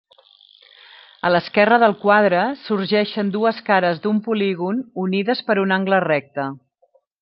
A l'esquerra del quadre, sorgeixen dues cares d'un polígon unides per un angle recte.